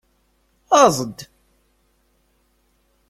Aẓ-d!